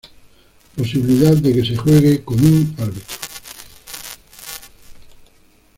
Posibilidad de que se juegue con un árbitro.